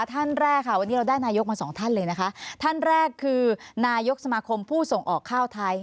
ท่านแรกค่ะวันนี้เราได้นายกมาสองท่านเลยนะคะท่านแรกคือนายกสมาคมผู้ส่งออกข้าวไทย